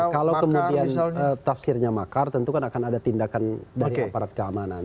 kalau kemudian tafsirnya makar tentu kan akan ada tindakan dari aparat keamanan